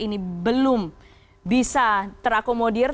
ini belum bisa terakomodir